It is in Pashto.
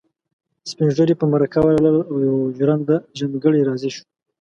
سپين ږيري په مرکه ورغلل او ژرنده ګړی راضي شو.